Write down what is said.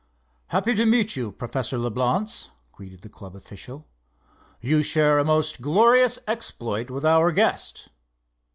"Happy to meet you, Professor Leblance," greeted the club official. "You share a most glorious exploit with our guest."